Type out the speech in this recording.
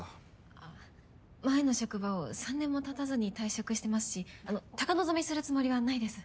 あぁ前の職場を３年もたたずに退職してますしあの高望みするつもりはないです。